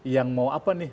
yang mau apa nih